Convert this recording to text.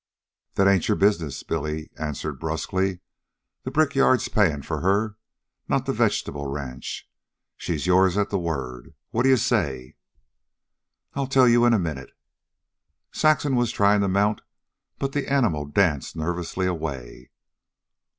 "That ain't your business," Billy answered brusquely. "The brickyard's payin' for her, not the vegetable ranch. She's yourn at the word. What d'ye say?" "I'll tell you in a minute." Saxon was trying to mount, but the animal danced nervously away.